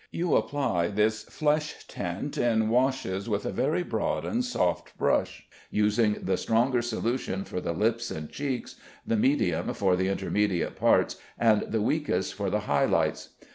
You apply this flesh tint in washes with a very broad and soft brush, using the stronger solution for the lips and cheeks, the medium for the intermediate parts, and the weakest for the high lights.